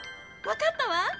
わかったわ！